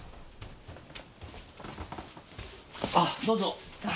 あどうぞ。